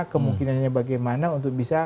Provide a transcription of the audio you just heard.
kemungkinannya bagaimana untuk bisa